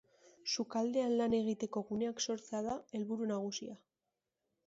Sukaldean lan egiteko guneak sortzea da helburu nagusia.